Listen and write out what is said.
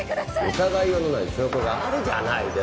疑いようのない証拠があるじゃないですか。